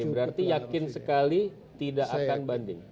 berarti yakin sekali tidak akan banding